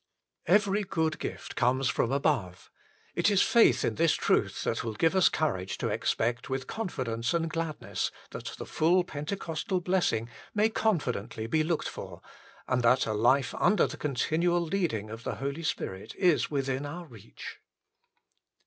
Every good gift comes from above : it is faith in this truth that \vill give us courage to expect with confidence and gladness that the full Pentecostal blessing may con fidently be looked for, and that a life under the continual leading of the Holy Spirit is within our reach.